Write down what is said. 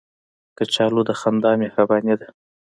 کچالو د خدای مهرباني ده